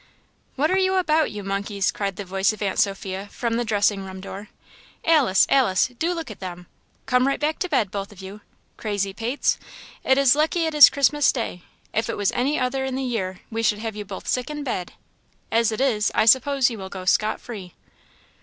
"What are you about, you monkeys?" cried the voice of Aunt Sophia, from the dressing room door. "Alice, Alice! do look at them. Come right back to bed, both of you. Crazy pates! It is lucky it is Christmas day if it was any other in the year, we should have you both sick in bed; as it is, I suppose you will go scot free."